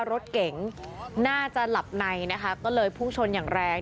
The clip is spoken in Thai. รถเก๋งน่าจะหลับในนะคะก็เลยพุ่งชนอย่างแรง